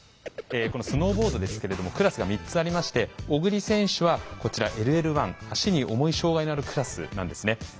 このスノーボードですけれどもクラスが３つありまして小栗選手はこちらＬＬ１足に重い障害のあるクラスなんですね。